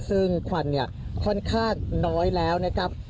ซึ่งควันเนี่ยค่อนข้างน้อยแล้วนะครับ